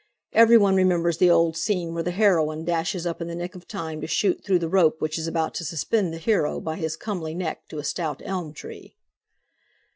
Everyone remembers the old scene where the heroine dashes up in the nick of time to shoot through the rope which is about to suspend the hero by his comely neck to a stout elm tree.